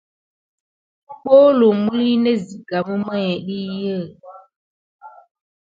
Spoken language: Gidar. Ɓolu məline net ziga memaya.